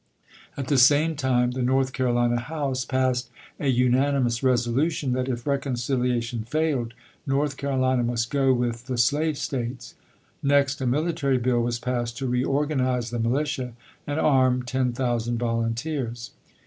At the same time the North Carolina House passed a unanimous resolution that if reconciliation failed, North Carolina must go with the slave States. Next a military bill was passed to reorganize the militia, and arm ten thousand volunteers.